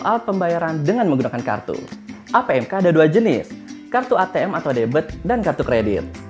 alat pembayaran dengan menggunakan kartu apmk ada dua jenis kartu atm atau debet dan kartu kredit